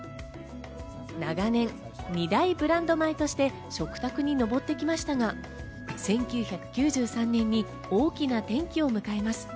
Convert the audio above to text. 長年、２大ブランド米として食卓に上ってきましたが、１９９３年に大きな転機を迎えました。